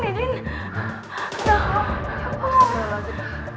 oh apaan ini